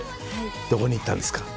どこに行ったんですか？